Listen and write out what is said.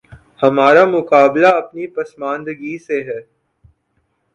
ہمارا مقابلہ اپنی پسماندگی سے ہے۔